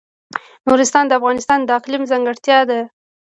نورستان د افغانستان د اقلیم ځانګړتیا ده.